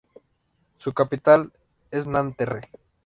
Su capital es Nanterre.